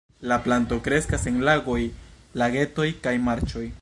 La planto kreskas en lagoj, lagetoj kaj marĉoj.